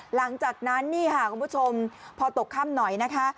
หลังจากนั้นคุณผู้ชมพอตกข้ำหน่อยนะคะ